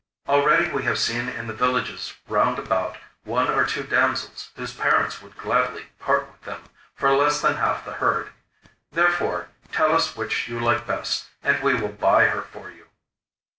Already we have seen in the villages round about one or two damsels whose parents would gladly part with them for less than half the herd. Therefore tell us which you like best, and we will buy her for you.